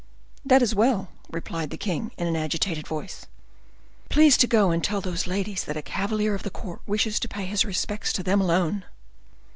"That is well," replied the king in an agitated voice. "Please to go and tell those ladies that a cavalier of the court wishes to pay his respects to them alone."